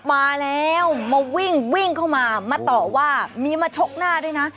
มาแล้วมาวิ่งวิ่งเข้ามามาต่อว่ามีมาชกหน้าด้วยนะ